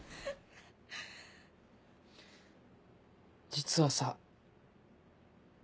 実はさ。